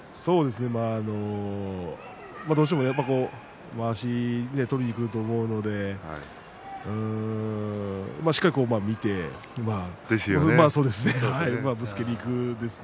どうしてもまわしを取りにくると思うのでしっかり見てそういうことですね。